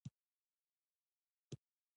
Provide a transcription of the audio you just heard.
د فلاني کال د جولای پر لومړۍ نېټه ولیکل.